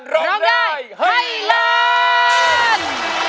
ร้องได้ให้ล้าน